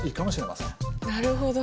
なるほど。